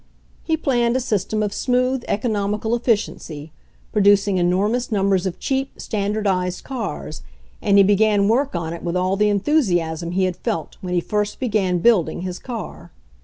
He planned a system of smooth, economical efficiency, producing enor mous numbers of cheap, standardized cars, and he began work on it with all the enthusiasm he had felt when he first began building his car.